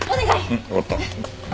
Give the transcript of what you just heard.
うんわかった。